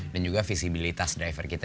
dan juga visibilitas driver kita